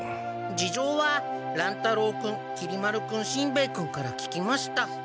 じじょうは乱太郎君きり丸君しんべヱ君から聞きました。